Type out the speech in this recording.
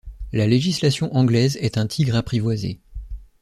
La législation anglaise est un tigre apprivoisé.